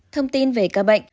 thông tin về ca bệnh